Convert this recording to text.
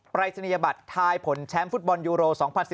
รายศนียบัตรทายผลแชมป์ฟุตบอลยูโร๒๐๑๙